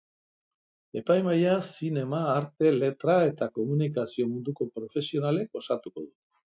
Epaimahaia zinema, arte, letra eta komunikazio munduko profesionalek osatuko dute.